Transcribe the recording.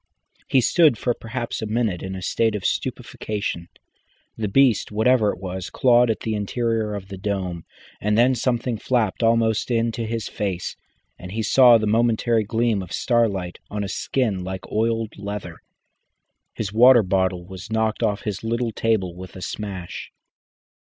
He stood for perhaps a minute in a state of stupefaction. The beast, whatever it was, clawed at the interior of the dome, and then something flapped almost into his face, and he saw the momentary gleam of starlight on a skin like oiled leather. His water bottle was knocked off his little table with a smash.